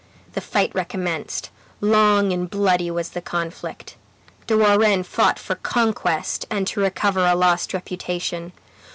The fight recommenced. Long and bloody was the conflict. De Warenne fought for conquest and to recover a lost reputation.